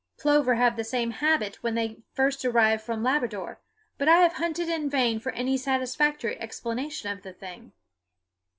Plover have the same habit when they first arrive from Labrador, but I have hunted in vain for any satisfactory explanation of the thing.